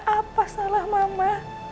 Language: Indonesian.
apa salah mama